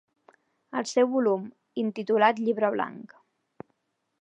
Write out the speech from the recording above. El seu volum, intitulat Llibre Blanc.